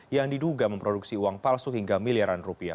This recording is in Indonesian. yang diduga memproduksi uang palsu hingga miliaran rupiah